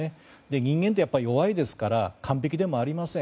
人間ってやっぱり弱いですから完璧でもありません。